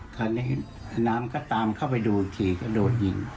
คราวนี้น้ำก็ตามเข้าไปดูอีกทีก็โดนยิง